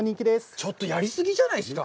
ちょっとやりすぎじゃないですか！？